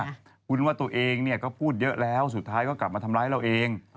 คุณว่าตัวเองก็พูดเยอะแล้วสุดท้ายก็กลับมาทำร้ายเราเอง